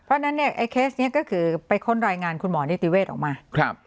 เพราะฉะนั้นเนี่ยไอ้เคสนี้ก็คือไปค้นรายงานคุณหมอนิติเวศออกมา